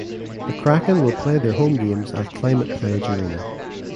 The Kraken will play their home games at Climate Pledge Arena.